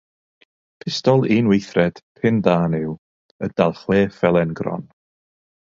Pistol un weithred, pin-dân yw, yn dal chwe phelen gron.